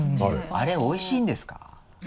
あれおいしいんですか？